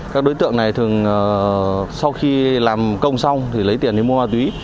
các đối tượng này thường sau khi làm công xong thì lấy tiền đi mua ma túy